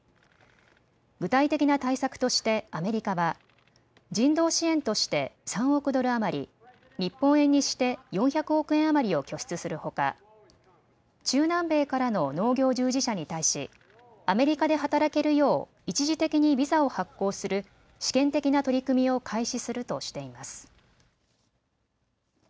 具体的な対策としてアメリカは、人道支援として３億ドル余り、日本円にして４００億円余りを拠出するほか中南米からの農業従事者に対しアメリカで働けるよう一時的にビザを発行する試験的な取り組みを開始するとしています。